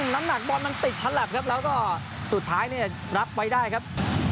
น้ำหนักบอลมันติดฉลับครับแล้วก็สุดท้ายเนี่ยรับไปได้ครับ